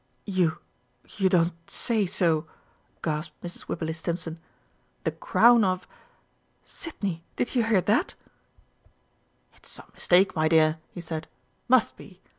"You you don't say so!" gasped Mrs. Wibberley Stimpson. "The Crown of Sidney, did you hear that." "It's some mistake, my dear," he said. "Must be!